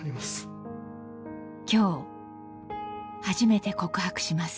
今日初めて告白します。